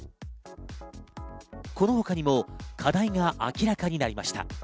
このほかにも課題が明らかになりました。